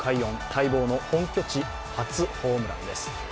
待望の本拠地初ホームランです。